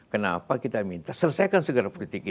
kenapa kita minta selesaikan segera politik itu